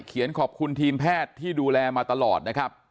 เขียนขอบคุณทีมแพทย์ที่ดูแลมาตลอดนะครับ